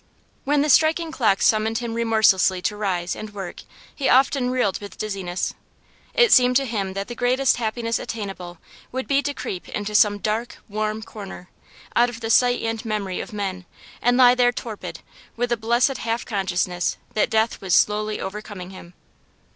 When the striking clocks summoned him remorselessly to rise and work he often reeled with dizziness. It seemed to him that the greatest happiness attainable would be to creep into some dark, warm corner, out of the sight and memory of men, and lie there torpid, with a blessed half consciousness that death was slowly overcoming him.